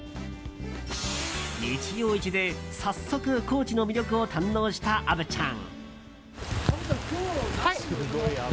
日曜市で早速、高知の魅力を堪能した虻ちゃん。